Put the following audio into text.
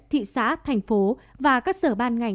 thị xã thành phố và các sở ban ngành